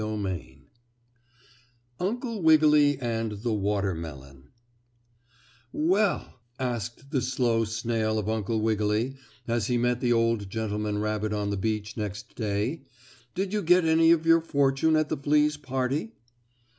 STORY XIV UNCLE WIGGILY AND THE WATERMELON "Well," asked the slow snail of Uncle Wiggily, as he met the old gentleman rabbit on the beach next day, "did you get any of your fortune at the fleas' party?"